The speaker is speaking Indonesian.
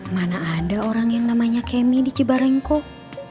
mana ada orang yang namanya kemi di cibarengkok